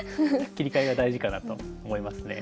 切り替えが大事かなと思いますね。